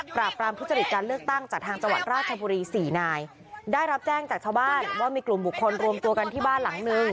ปราบรามทุจริตการเลือกตั้งจากทางจังหวัดราชบุรีสี่นายได้รับแจ้งจากชาวบ้านว่ามีกลุ่มบุคคลรวมตัวกันที่บ้านหลังนึง